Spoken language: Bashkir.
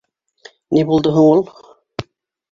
Ни булды һуң ул?